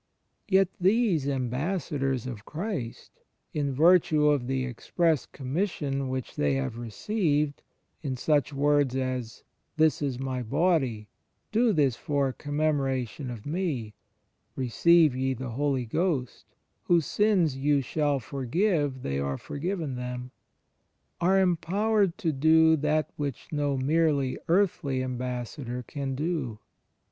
Yet these Ambassadors of Christ, in virtue of the express com mission which they have received, in such words as This is My Body ... do this for a commemoration of Me." ^ "Receive ye the Holy Ghost. Whose sins you shall forgive they are forgiven them"^ — are em powered to do that which no merely earthly ambassador 1 Luke xzii : 19. * John zz : 22, 23. 72 THE FRIENDSHIP OF CHRIST can do.